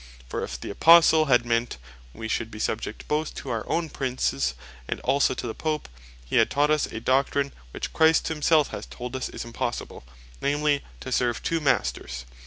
For if the Apostle had meant, we should be subject both to our own Princes, and also to the Pope, he had taught us a doctrine, which Christ himself hath told us is impossible, namely, "to serve two Masters."